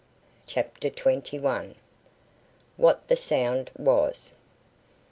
CHAPTER TWENTY ONE. WHAT THE SOUND WAS.